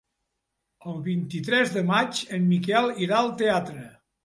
El vint-i-tres de maig en Miquel irà al teatre.